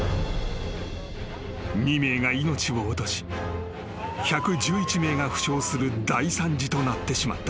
［２名が命を落とし１１１名が負傷する大惨事となってしまった］